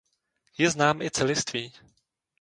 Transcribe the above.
Je znám i celistvý.